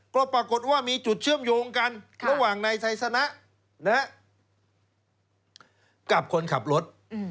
ก็ปรากฏว่ามีจุดเชื่อมโยงกันระหว่างนายไซสนะกับคนขับรถ